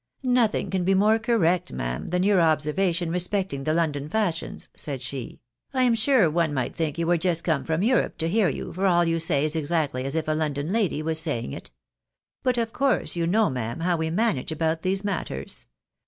" Nothing can be more correct, ma'am, than your observation respecting the London fashions," said she. " I am sure one might think you were just come from Europe to hear you, for all you say is exactly as if a London lady was saying it. But of course you know, ma'am, how we manage about these matters